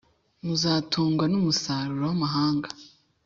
muzatungwa n’umusaruro w’amahanga,